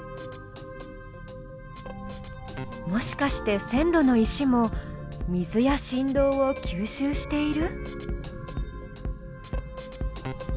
もしかして線路の石も水や振動を吸収している？